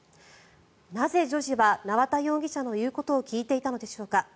なぜ、女児は縄田容疑者の言うことを聞いていたのでしょうか。